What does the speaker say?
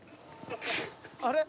あれ？